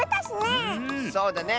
そうだね。